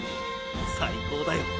最高だよ！！